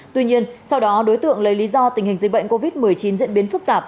tuy nhiên sau đó đối tượng lấy lý do tình hình dịch bệnh covid một mươi chín diễn biến phức tạp